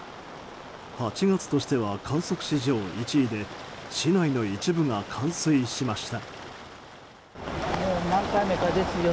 ８月としては観測史上１位で市内の一部が冠水しました。